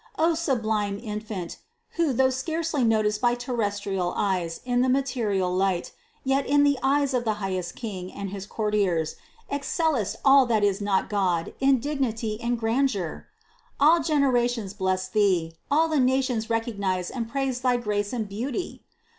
O sublime Infant, who, though THE CONCEPTION 273 scarcely noticed by terrestrial eyes in the material light, yet in the eyes of the highest King and his courtiers, ex cellest all that is not God in dignity and grandeur! All generations bless Thee, all the nations recognize and praise thy grace and beauty